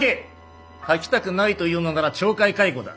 書きたくないというのなら懲戒解雇だ。